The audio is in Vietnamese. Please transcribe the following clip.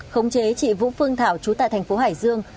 khống chế chị vũ phương thảo chú tại thành phố hải dương